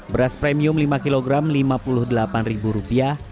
beras premium lima kg rp lima puluh delapan